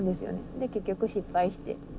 で結局失敗して。